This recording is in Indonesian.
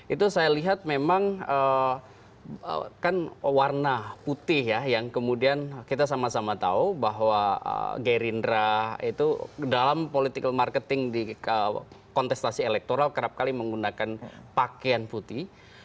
itu saya lihat memang kan warna putih ya yang kemudian kita sama sama tahu bahwa gerindra itu dalam political marketing di kontestasi elektoral kerap kali menggunakan pakaian putih